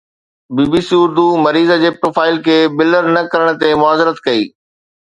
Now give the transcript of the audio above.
بي B C Urdu مريض جي profile کي بلر نه ڪرڻ تي معذرت ڪئي.